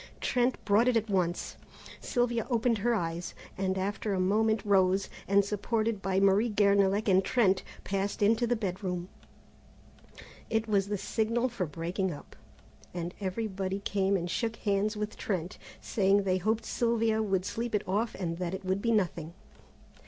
Trent brought it at once. Sylvia opened her eyes, and after a moment rose, and supported by Marie Guernalec and Trent, passed into the bedroom. It was the signal for breaking up, and everybody came and shook hands with Trent, saying they hoped Sylvia would sleep it off and that it would be nothing.